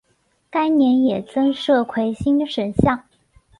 该年也增设魁星神像。